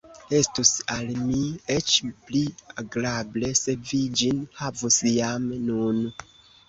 Estus al mi eĉ pli agrable, se vi ĝin havus jam nun.